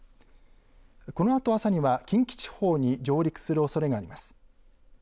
このあと朝には近畿地方に上陸するおそれがあります。